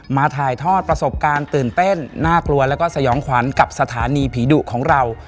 ถ่ายทอดประสบการณ์ตื่นเต้นน่ากลัวแล้วก็สยองขวัญกับสถานีผีดุของเรา